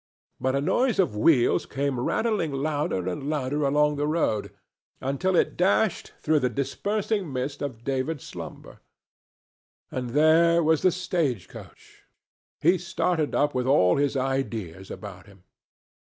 But a noise of wheels came rattling louder and louder along the road, until it dashed through the dispersing mist of David's slumber; and there was the stagecoach. He started up with all his ideas about him.